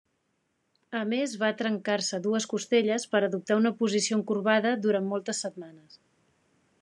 A més, va trencar-se dues costelles per adoptar una posició encorbada durant moltes setmanes.